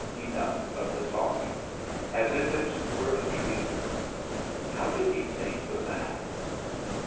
Enough of the talking as if it were a treatment! How did he think of that?